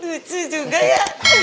lucu juga ya